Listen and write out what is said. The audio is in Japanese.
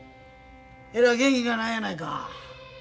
えらい元気がないやないか。